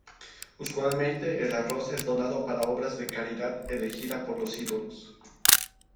Usualmente, el arroz es donado para obras de caridad elegida por los ídolos.